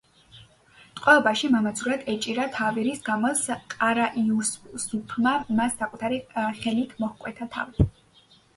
ტყვეობაში მამაცურად ეჭირა თავი, რის გამოც ყარა-იუსუფმა მას საკუთარი ხელით მოჰკვეთა თავი.